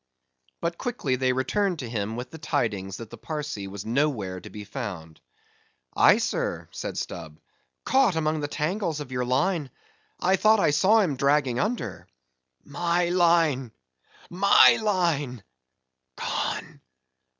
But quickly they returned to him with the tidings that the Parsee was nowhere to be found. "Aye, sir," said Stubb—"caught among the tangles of your line—I thought I saw him dragging under." "My line! my line? Gone?